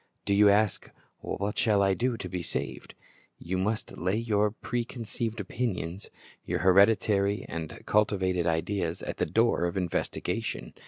Do you ask, What shall I do to be saved? You must lay your preconceived opinions, your hereditary and culti vated ideas, at the door of investigation.